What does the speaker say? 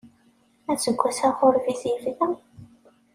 Aseggas aɣurbiz yebda.